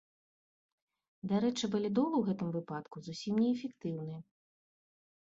Дарэчы, валідол у гэтым выпадку зусім неэфектыўны.